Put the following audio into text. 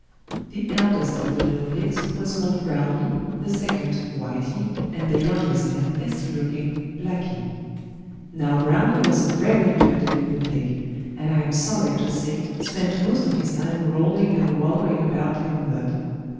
The eldest of the little pigs was called Browny, the second Whitey, and the youngest and best looking Blacky. Now Browny was a very dirty little pig, and I am sorry to say spent most of his time rolling and wallowing about in the mud.